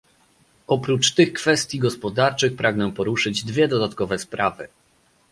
Oprócz tych kwestii gospodarczych pragnę poruszyć dwie dodatkowe sprawy